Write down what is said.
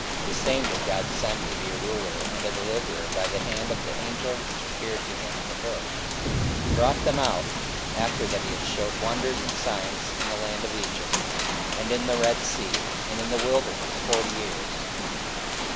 the same did God send to be a ruler and a deliverer by the hand of the angel which appeared to him in the bush. 44:007:036 He brought them out, after that he had shewed wonders and signs in the land of Egypt, and in the Red sea, and in the wilderness forty years.